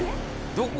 どこ？